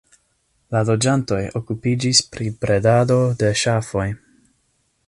La loĝantoj okupiĝis pri bredado de ŝafoj.